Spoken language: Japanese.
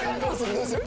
どうする？